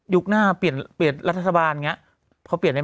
ยุคน่าเปลี่ยนรัฐบาลอย่างนี้